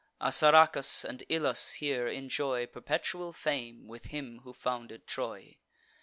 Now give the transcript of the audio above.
Assaracus and Ilus here enjoy Perpetual fame, with him who founded Troy.